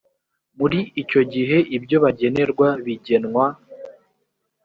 muri icyo gihe ibyo bagenerwa bigenwa